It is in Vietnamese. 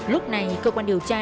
lúc này cơ quan điều tra